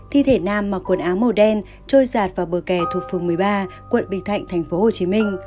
thi thể nam mặc quần áo màu đen trôi giạt vào bờ kè thuộc phường một mươi ba quận bình thạnh tp hcm